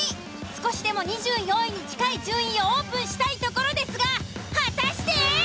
少しでも２４位に近い順位をオープンしたいところですが果たして？